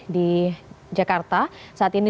di jakarta saat ini